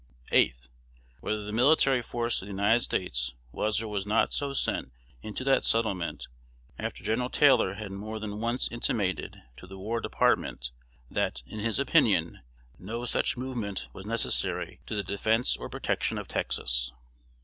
8th. Whether the military force of the United States was or was not so sent into that settlement after Gen. Taylor had more than once intimated to the War Department, that, in his opinion, no such movement was necessary to the defence or protection of Texas.